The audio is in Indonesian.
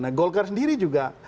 nah golkar sendiri juga